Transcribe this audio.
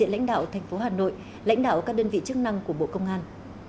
lãnh đạo các đơn vị chức năng của bộ công an